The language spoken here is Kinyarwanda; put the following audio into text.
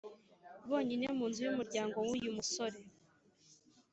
bonyine mu nzu y’umuryango w’uyu musore